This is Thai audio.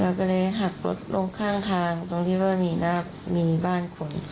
เราก็เลยหักรถลงข้างทางตรงที่ว่ามีนาคมีบ้านคน